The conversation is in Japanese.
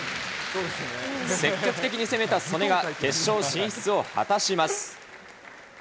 積極的に攻めた素根が、決勝進出を果たします。